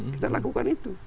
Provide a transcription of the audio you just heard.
kita lakukan itu